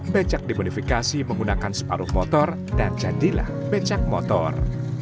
becak dimodifikasi menggunakan separuh motor dan jadilah becak motor